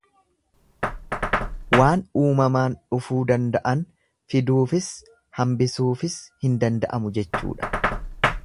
Waan uumamaan dhufuu danda'an fiduufis hanbisuufis hin danda'amu jechuudha.